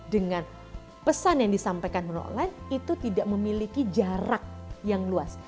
dengan pesan yang disampaikan melalui online itu tidak memiliki jarak yang luas